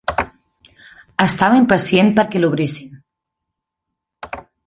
Estava impacient perquè l'obrissin.